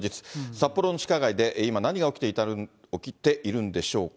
札幌の地下街で今、何が起きているんでしょうか。